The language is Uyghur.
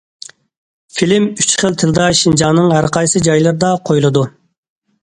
فىلىم ئۈچ خىل تىلدا شىنجاڭنىڭ ھەرقايسى جايلىرىدا قويۇلىدۇ.